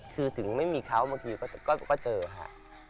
คือถึงไม่มีเขาบางทีก็เจอค่ะ